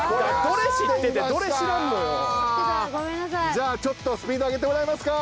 じゃあちょっとスピード上げてもらえますか。